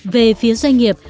về phía doanh nghiệp